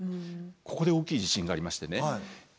ここで大きい地震がありましてね